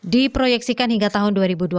diproyeksikan hingga tahun dua ribu dua puluh